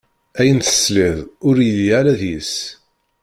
Ayen tesliḍ ur yelli ara deg-s!